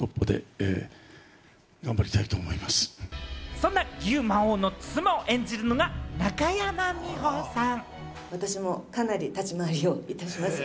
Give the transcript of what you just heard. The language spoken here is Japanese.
そんな牛魔王の妻を演じるのが中山美穂さん。